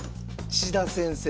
千田先生。